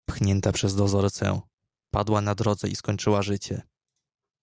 pchnięta przez dozorcę, padła na drodze i skończyła życie.